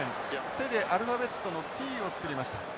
手でアルファベットのＴを作りました。